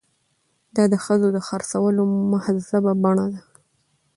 دا د ښځو د خرڅولو مهذبه بڼه ده.